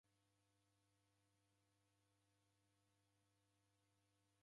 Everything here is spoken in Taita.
Mdaw'ida ughokie hojha.